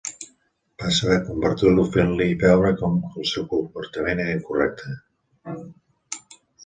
Va saber convertir-lo fent-li veure que el seu comportament era incorrecte.